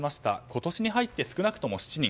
今年に入って少なくとも７人。